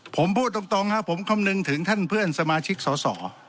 ผมพูดตรงครับผมคำนึงถึงท่านเพื่อนสมาชิกสอสอ